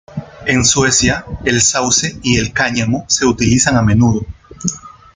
En Suecia, el sauce y el cáñamo se utilizan a menudo.